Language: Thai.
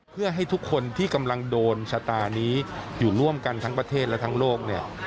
เพื่อให้ทุกคนที่กำลังโดนชะตานี้อยู่ร่วมกันทั้งประเทศและทั้งโลกเนี่ย